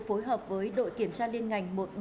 phối hợp với đội kiểm tra liên ngành một trăm bảy mươi